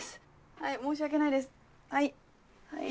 はい申し訳ないですはいはい。